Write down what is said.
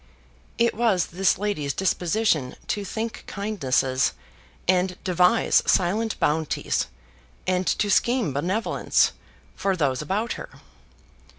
It was this lady's disposition to think kindnesses, and devise silent bounties and to scheme benevolence, for those about her.